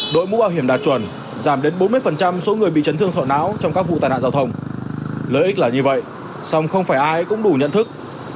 đội mũ bảo hiểm đạt chuẩn giảm đến bốn mươi số người bị chấn thương thọ não trong các vụ tai nạn giao thông lợi ích là như vậy song không phải ai cũng đủ nhận thức